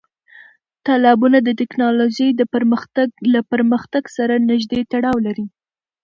تالابونه د تکنالوژۍ له پرمختګ سره نږدې تړاو لري.